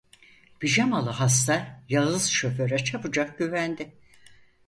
Pijamalı hasta yağız şoföre çabucak güvendi.